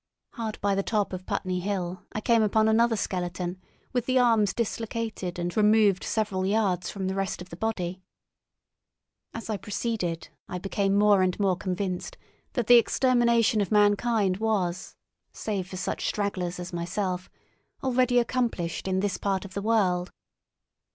Hard by the top of Putney Hill I came upon another skeleton, with the arms dislocated and removed several yards from the rest of the body. As I proceeded I became more and more convinced that the extermination of mankind was, save for such stragglers as myself, already accomplished in this part of the world.